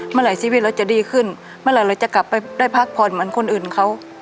เมื่อไหร่ชีวิตเราจะดีขึ้นเมื่อไหร่เราจะกลับไปได้พักผ่อนเหมือนคนอื่นเขา